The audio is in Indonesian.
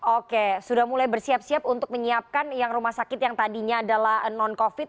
oke sudah mulai bersiap siap untuk menyiapkan yang rumah sakit yang tadinya adalah non covid